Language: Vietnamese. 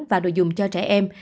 và đồ dùng cho trẻ em